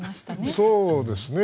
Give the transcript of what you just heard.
そうですね。